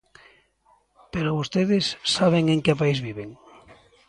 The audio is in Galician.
Pero ¿vostedes saben en que país viven?